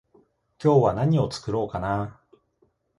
今日は何を作ろうかな？